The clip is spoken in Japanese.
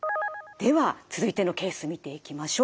では続いてのケース見ていきましょう。